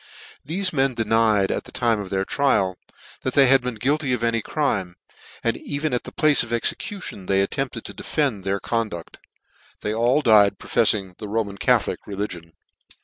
Thefe men denied, at the time of their trial, that they had been guilty of any crime j and even at the place of execution they attempted to defend their conduct. They all died profefiing the Ro man Catholic religion.